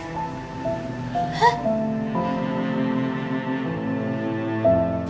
anak itu baik